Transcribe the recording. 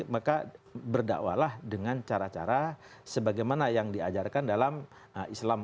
maka berdakwahlah dengan cara cara sebagaimana yang diajarkan dalam islam